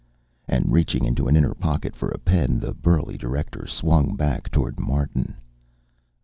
And, reaching into an inner pocket for a pen, the burly director swung back toward Martin.